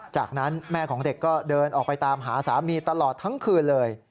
จากนั้นแม่ของเด็กก็เดินออกไปตามหาสามีตลอดทั้งคืนเลย